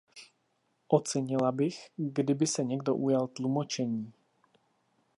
Ocenila bych, kdyby se někdo ujal tlumočení.